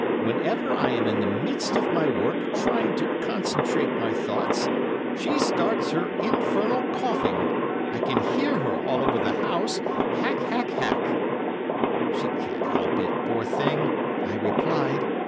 Whenever I am in the midst of my work, trying to concentrate my thoughts, she starts her infernal coughing—I can hear her all over the house—hack, hack, hack.' 'She can't help it, poor thing,' I replied.